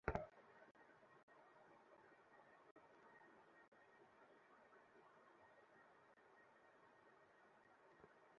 এটিই তাঁর নবুওতের রীতিমত একটি দলীল এবং তাঁর নিষ্পাপ হবার প্রকৃষ্ট প্রমাণ।